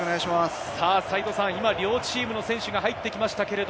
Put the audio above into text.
両チームの選手が入ってきました。